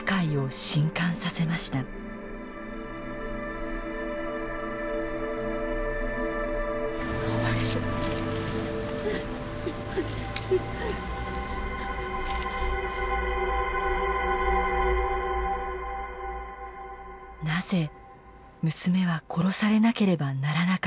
なぜ娘は殺されなければならなかったのか。